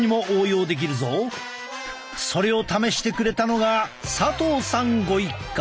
それを試してくれたのが佐藤さんご一家。